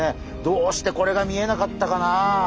どうしてこれが見えなかったかな。